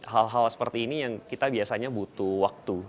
hal hal seperti ini yang kita biasanya butuh waktu